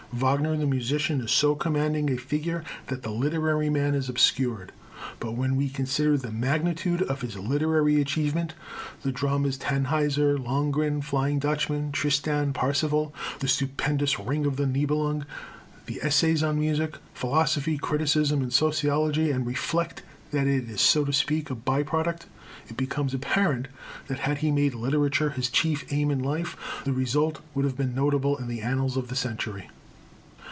Wagner, the musician, is so commanding a figure that the literary man is obscured; but when we consider the magnitude of his literary achievement, the dramas Tannhäuser, Lohengrin, Flying Dutchman, Tristan, Parsifal, the stupendous Ring of the Nibelung, the essays on music, philosophy, criticism and sociology, and reflect that it is, so to speak, a by product, it becomes apparent that, had he made literature his chief aim in life, the result would have been notable in the annals of the century.